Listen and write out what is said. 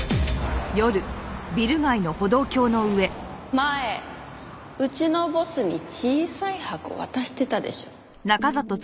前うちのボスに小さい箱渡してたでしょ？